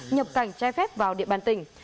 nhập cảnh trái phép vào địa bàn tỉnh